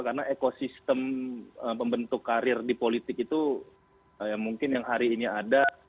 karena ekosistem pembentuk karir di politik itu mungkin yang hari ini ada